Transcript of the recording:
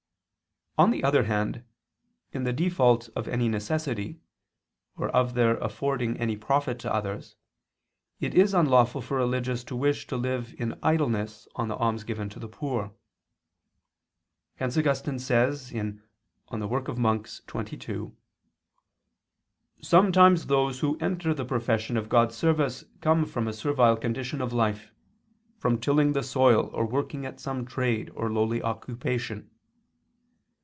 On the other hand, in the default of any necessity, or of their affording any profit to others, it is unlawful for religious to wish to live in idleness on the alms given to the poor. Hence Augustine says (De oper. Monach. xxii): "Sometimes those who enter the profession of God's service come from a servile condition of life, from tilling the soil or working at some trade or lowly occupation.